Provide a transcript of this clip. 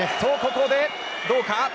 ここでどうか。